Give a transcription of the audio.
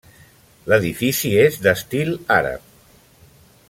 L'edifici és d'estil àrab.